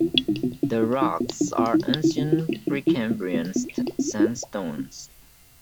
The rocks are ancient Precambrian sandstones.